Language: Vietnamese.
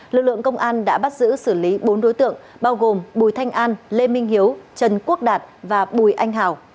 lực lượng công an đã bắt giữ xử lý bốn đối tượng bao gồm bùi thanh an lê minh hiếu trần quốc đạt và bùi anh hào